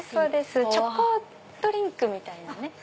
チョコドリンクみたいな。